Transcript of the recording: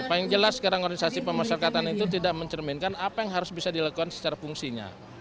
paling jelas sekarang organisasi pemasyarakatan itu tidak mencerminkan apa yang harus bisa dilakukan secara fungsinya